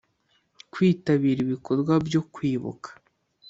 Kwitabira ibikorwa byo kwibuka